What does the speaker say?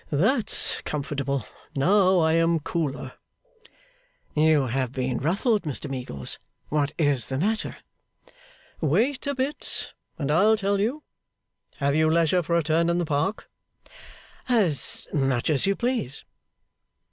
'That's comfortable. Now I am cooler.' 'You have been ruffled, Mr Meagles. What is the matter?' 'Wait a bit, and I'll tell you. Have you leisure for a turn in the Park?' 'As much as you please.